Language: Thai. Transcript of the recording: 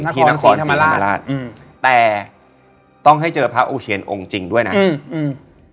ที่นครศรีธรรมราชอืมแต่ต้องให้เจอพระอูเชียนองค์จริงด้วยนะอืมอืม